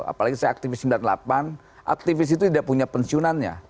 apalagi saya aktivis sembilan puluh delapan aktivis itu tidak punya pensiunannya